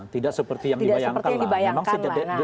tidak seperti yang dibayangkan